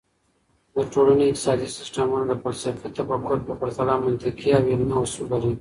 د ټولني اقتصادي سیسټمونه د فلسفي تفکر په پرتله منطقي او علمي اصول لري.